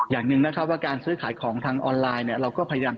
อย่างหนึ่งนะครับว่าการซื้อขายของทางออนไลน์เนี่ยเราก็พยายาม